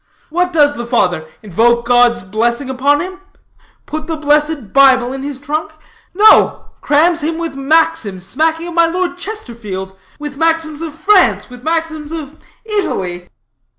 What does the father? Invoke God's blessing upon him? Put the blessed Bible in his trunk? No. Crams him with maxims smacking of my Lord Chesterfield, with maxims of France, with maxims of Italy."